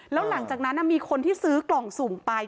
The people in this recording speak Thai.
แล้วหลังจากนั้นมีคนที่ซื้อกล่องสุ่มไป